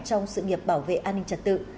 trong sự nghiệp bảo vệ an ninh trật tự